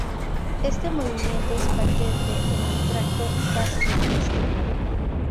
Este movimiento es patente en el tracto gastrointestinal.